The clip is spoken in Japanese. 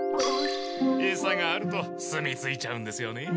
エサがあるとすみ着いちゃうんですよね。